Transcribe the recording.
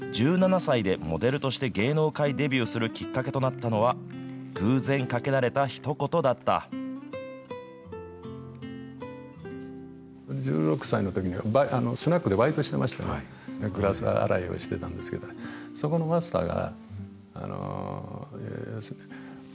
１７歳でモデルとして芸能界デビューするきっかけとなったのは、１６歳のときに、スナックでバイトしてましてね、グラス洗いをしてたんですけど、そこのマスターが。